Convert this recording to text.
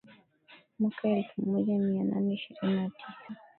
Mwaka elfu moja mia nane ishirini na tisa